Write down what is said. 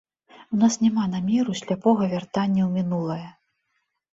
У нас няма намеру сляпога вяртання ў мінулае.